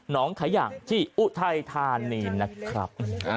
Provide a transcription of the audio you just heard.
น้องขยังที่อุไทยทานีนะครับ